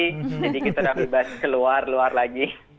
jadi kita sudah bebas keluar luar lagi